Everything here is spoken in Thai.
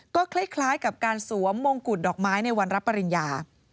ก็คล้ายกับการสวมมงกุฎดอกไม้ในวันรับปริญญา